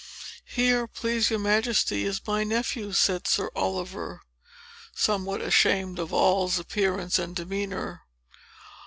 "Here, please your Majesty, is my nephew," said sir Oliver, somewhat ashamed of Noll's appearance and demeanor.